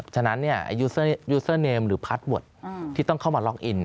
ฉะนั้นยูเซอร์เนมหรือพาร์ทเวิร์ดที่ต้องเข้ามาล็อกอิน